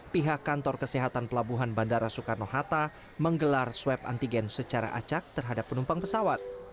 pihak kantor kesehatan pelabuhan bandara soekarno hatta menggelar swab antigen secara acak terhadap penumpang pesawat